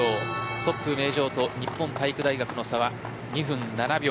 トップ名城と日本体育大学の差は２分７秒。